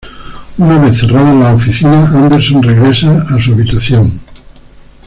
Una vez cerradas las oficinas, Anderson regresa a su habitación.